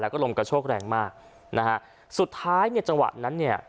แล้วก็ลมกระโชกแรงมากนะฮะสุดท้ายเนี่ยจังหวะนั้นเนี่ย